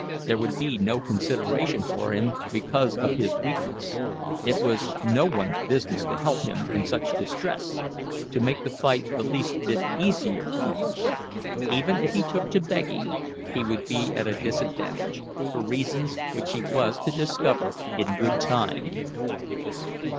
There would be no consideration for him because of his weakness—it was no one's business to help him in such distress, to make the fight the least bit easier for him. Even if he took to begging, he would be at a disadvantage, for reasons which he was to discover in good time.